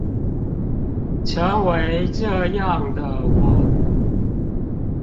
成為這樣的我